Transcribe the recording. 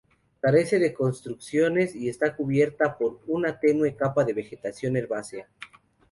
Carece de construcciones y está cubierta por una tenue capa de vegetación herbácea.